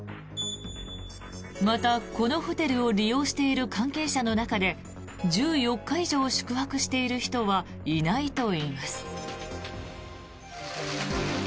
また、このホテルを利用している関係者の中で１４日以上宿泊している人はいないといいます。